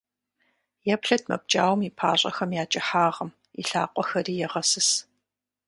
Еплъыт мы пкӏауэм и пащӏэхэм я кӏыхьагъым, и лъакъуэхэри егъэсыс.